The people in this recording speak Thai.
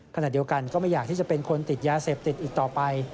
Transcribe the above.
ขณะเดียวกันก็ไม่อยากที่จะเป็นคนติดยาเสพติดอีกต่อไป